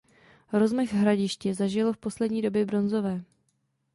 Rozmach hradiště zažilo v pozdní době bronzové.